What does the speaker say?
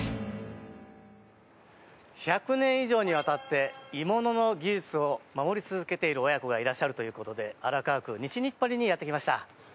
１００年以上にわたって鋳物の技術を守り続けている親子がいらっしゃるということで荒川区西日暮里にやってきました。